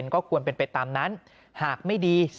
ก็ควรเป็นไปตามนั้นหากไม่ดี